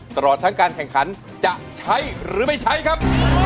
ตลอดทั้งการแข่งขันจะใช้หรือไม่ใช้ครับ